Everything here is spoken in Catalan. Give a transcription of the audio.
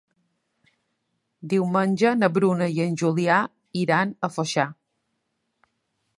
Diumenge na Bruna i en Julià iran a Foixà.